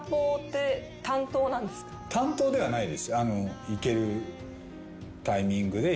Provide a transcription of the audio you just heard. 担当ではないです。